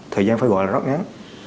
thời gian phải gọi là rất ngắn